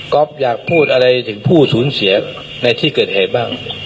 อยากพูดอะไรถึงผู้สูญเสียในที่เกิดเหตุบ้าง